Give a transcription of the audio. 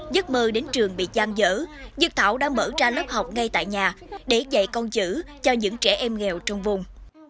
giấc mơ đến trường bị gian dở dược thảo đã mở ra lớp học ngay tại nhà để dạy con chữ cho những trẻ em nghèo trong vùng